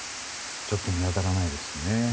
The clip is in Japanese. ちょっと見当たらないですね。